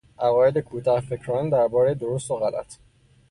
عقاید کوتهفکرانه دربارهی درست و غلط